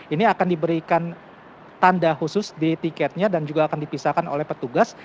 ini akan diberikan tanda khusus di tiketnya dan juga akan dipisahkan oleh petugas